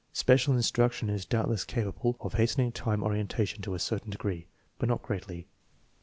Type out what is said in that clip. Special instruction is doubtless capable of hastening time orienta tion to a certain degree, but not greatly.